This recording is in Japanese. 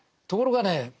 ところがね